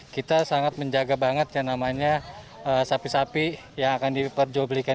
kita sangat menjaga banget yang namanya sapi sapi yang akan diperjublikan